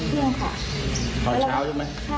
ตอนเช้าใช่ไหม